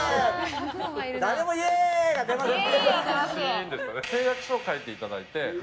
誰も、イエーイ！が出ません。